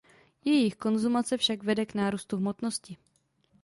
Jejich konzumace však vede k nárůstu hmotnosti.